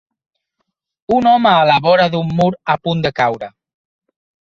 Un home a la vora d'un mur a punt de caure.